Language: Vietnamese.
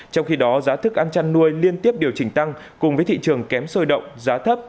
trong khi đó giá thức ăn chăn nuôi liên tiếp điều chỉnh tăng cùng với thị trường kém sôi động giá thấp